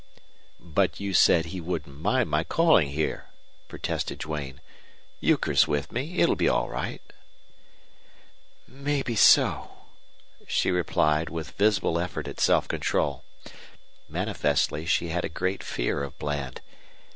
"But you said he wouldn't mind my calling here," protested Duane. "Euchre's with me. It'll be all right." "Maybe so," she replied, with visible effort at self control. Manifestly she had a great fear of Bland.